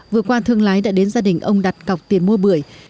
vừa qua thương lái đã đến gia đình ông đặt cọc tiền mua bưởi